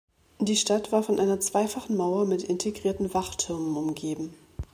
Die Stadt war von einer zweifachen Mauer mit integrierten Wachtürmen umgeben.